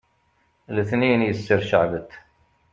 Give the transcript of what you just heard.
letniyen yesser ceɛbet